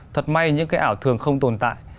thật may những cái ảo thường không tồn tại